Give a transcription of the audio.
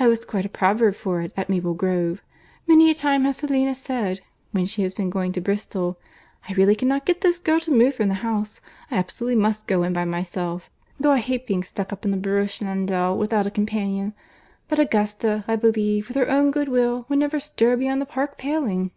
I was quite a proverb for it at Maple Grove. Many a time has Selina said, when she has been going to Bristol, 'I really cannot get this girl to move from the house. I absolutely must go in by myself, though I hate being stuck up in the barouche landau without a companion; but Augusta, I believe, with her own good will, would never stir beyond the park paling.